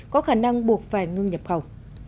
có khả năng buộc phải ngưng nhập khẩu